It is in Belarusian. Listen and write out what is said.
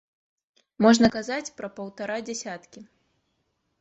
Можна казаць пра паўтара дзясяткі.